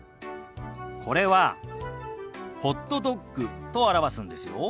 これは「ホットドッグ」と表すんですよ。